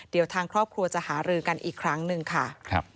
เดี๋ยวทางครอบครัวจะหารือกันอีกครั้งหนึ่งค่ะ